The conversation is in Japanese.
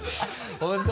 本当？